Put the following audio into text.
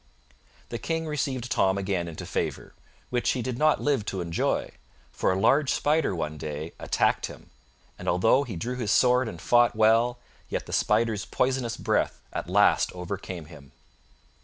The King received Tom again into favor, which he did not live to enjoy, for a large spider one day attacked him; and although he drew his sword and fought well, yet the spider's poisonous breath at last overcame him.